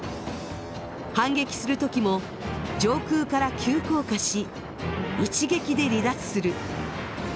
反撃する時も上空から急降下し一撃で離脱する。